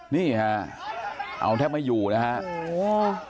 นี่ฮะเอาแทบไม่อยู่นะฮะโอ้โห